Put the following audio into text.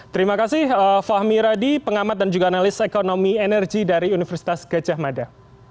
terima kasih fahmi radi pengamat dan juga analis ekonomi energi dari universitas gajah mada